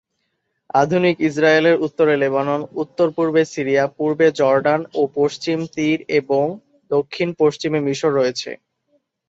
আধুনিক ইসরায়েলের উত্তরে লেবানন, উত্তর-পূর্বে সিরিয়া, পূর্বে জর্ডান ও পশ্চিম তীর এবং দক্ষিণ-পশ্চিমে মিশর রয়েছে।